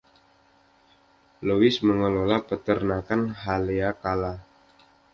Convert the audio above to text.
Louis mengelola Peternakan Haleakala.